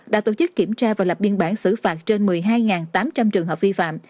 đã tổ chức kiểm tra và lập biên bản xử phạt trên một mươi hai tám trăm linh trường hợp vi phạm